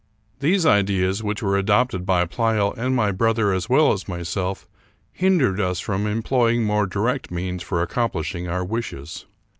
These ideas, which were adopted by Pleyel and my brother as well as myself, hindered us from employing more direct means for accomplishing our wishes.